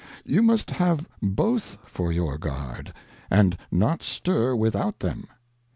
You must have both for your Guard, and not stir without them.